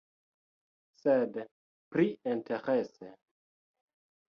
Sed pli interese...